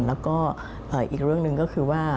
แล้วก็อีกเรื่องหนึ่งก็คือว่า